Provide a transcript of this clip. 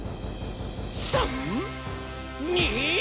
「３！２！」